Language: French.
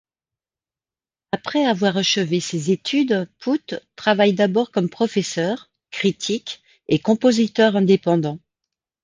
Après avoir achevé ses études, Poot travaille d'abord comme professeur, critique, et compositeur indépendant.